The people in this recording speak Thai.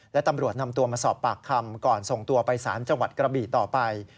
และตำรวจนำตัวมาสอบปากคำก่อนส่งตัวไปสารจังหวัดกระบี่ต่อไป